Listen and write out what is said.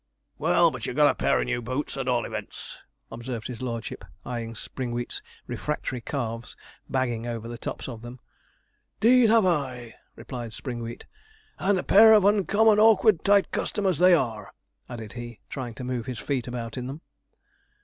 'Well, but you've got a pair of new boots, at all events,' observed his lordship, eyeing Springwheat's refractory calves bagging over the tops of them. ''Deed have I!' replied Springwheat; 'and a pair of uncommon awkward tight customers they are,' added he, trying to move his feet about in them.